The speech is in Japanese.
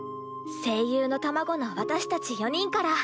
声優の卵の私たち４人から。